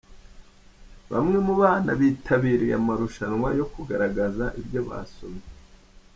Bamwe mu bana bitabirye amarushwana yo kugaragaza ibyo basomye.